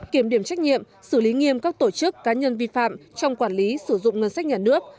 kiểm điểm trách nhiệm xử lý nghiêm các tổ chức cá nhân vi phạm trong quản lý sử dụng ngân sách nhà nước